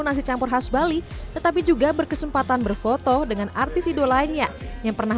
nasi campur khas bali tetapi juga berkesempatan berfoto dengan artis idolanya yang pernah